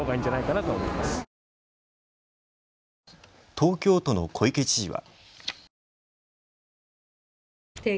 東京都の小池知事は。